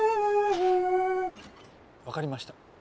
分かりました。